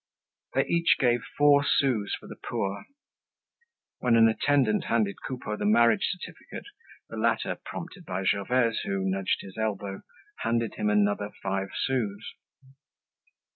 They each gave four sous for the poor. When an attendant handed Coupeau the marriage certificate, the latter, prompted by Gervaise who nudged his elbow, handed him another five sous.